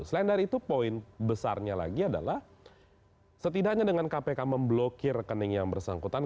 selain dari itu poin besarnya lagi adalah setidaknya dengan kpk memblokir rekening yang bersangkutan